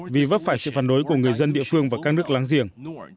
vì vấp phải sự phản đối của người dân địa phương và các nước láng giềng